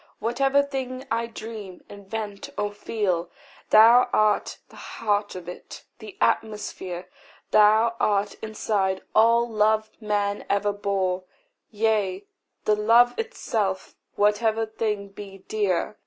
Whatever thing I dream, invent, or feel, Thou art the heart of it, the atmosphere. Thou art inside all love man ever bore; Yea, the love itself, whatever thing be dear.